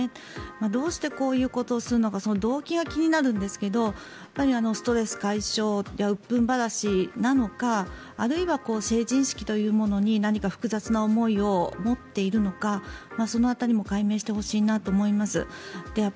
どうしてこういうことをするのか動機が気になるんですけどストレス解消やうっ憤晴らしなのかあるいは成人式というものに何か複雑な思いを持っているのかその辺りも解明してほしいなと思います。